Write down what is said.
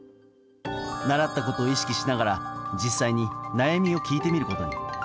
習ったことを意識しながら実際に悩みを聞いてみることに。